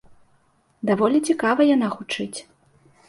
Даволі цікава яна гучыць.